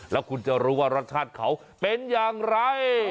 แล้วคุณจะรู้ว่ารสชาติเขาเป็นอย่างไร